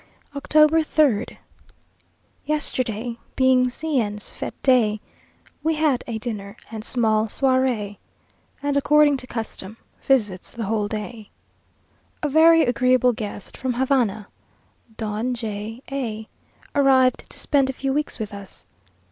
October 3rd. Yesterday being C n's fête day, we had a dinner and small soirée, and according to custom, visits the whole day. A very agreeable guest from Havana, Don J A , arrived to spend a few weeks with us.